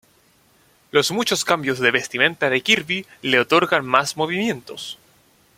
Los muchos cambios de vestimenta de Kirby le otorgan más movimientos.